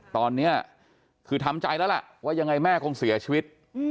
ตอนนี้คือทำใจแล้วล่ะว่ายังไงแม่คงเสียชีวิต